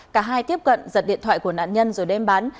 cả hai tiếp cận giật điện thoại của nạn nhân rồi đem bán